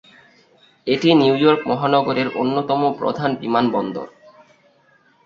এটি New York মহানগরের অন্যতম প্রধান বিমানবন্দর।